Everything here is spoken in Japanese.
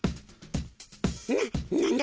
ななんだ？